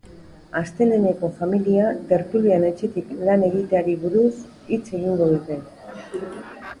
Asteleheneko familia tertulian etxetik lan egiteari buruz hitz egingo dute.